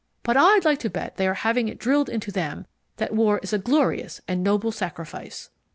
But I'd like to bet they are having it drilled into them that war is a glorious and noble sacrifice.